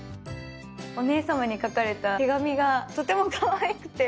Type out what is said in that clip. お姉様に書かれた手紙がとてもかわいくて。